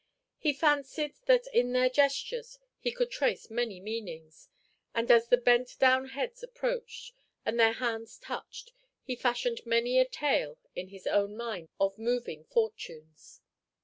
He fancied that in their gestures he could trace many meanings, and as the bent down heads approached, and their hands touched, he fashioned many a tale in his own mind of moving fortunes.